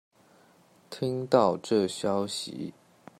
聽到這消息